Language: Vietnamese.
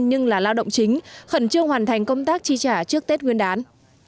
nhưng là lao động chính khẩn trương hoàn thành công tác chi trả trước tết nguyên đán